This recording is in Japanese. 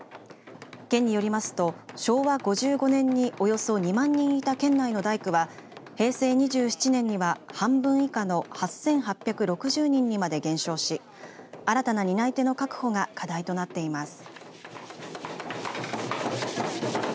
県によりますと昭和５５年におよそ２万人いた県内の大工は平成２７年には半分以下の８８６０人にまで減少し新たな担い手の確保が課題となっています。